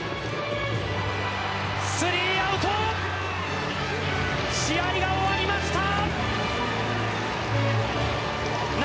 ３アウト試合が終わりました！